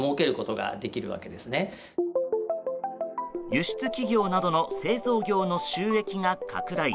輸出企業などの製造業の収益が拡大。